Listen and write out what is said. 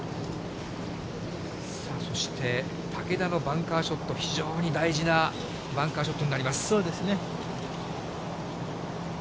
さあ、そして竹田バンカーショット、非常に大事なバンカーショットになそうですね。